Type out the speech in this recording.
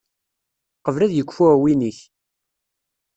Qbel ad yekfu uεwin-ik